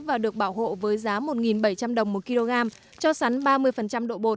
và được bảo hộ với giá một bảy trăm linh đồng một kg cho sắn ba mươi độ bột